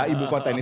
ibu kota ini